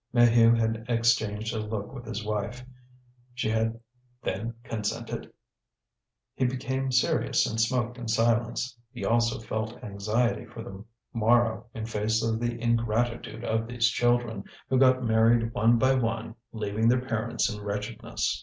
Maheu had exchanged a look with his wife. She had then consented? He became serious and smoked in silence. He also felt anxiety for the morrow in face of the ingratitude of these children, who got married one by one leaving their parents in wretchedness.